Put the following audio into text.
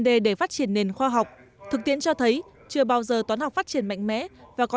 đề để phát triển nền khoa học thực tiễn cho thấy chưa bao giờ toán học phát triển mạnh mẽ và có